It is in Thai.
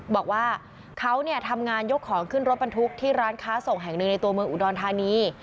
บอกว่าเขาเนี่ยทำงานยกของขึ้นรถบรรทุกที่ร้านค้าส่งแห่งหนึ่งในตัวเมืองอุดรธานี